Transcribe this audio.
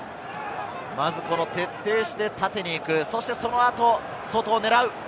まず徹底して縦に行く、そしてその後、外を狙う。